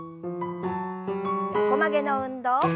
横曲げの運動。